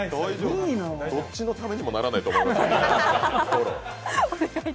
どっちのためにもならないと思いますが。